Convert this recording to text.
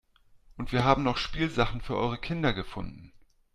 Und wir haben noch Spielsachen für eure Kinder gefunden.